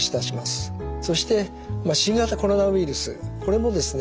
そして新型コロナウイルスこれもですね